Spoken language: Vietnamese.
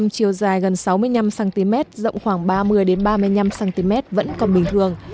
chiều dài gần sáu mươi năm cm rộng khoảng ba mươi ba mươi năm cm vẫn còn bình thường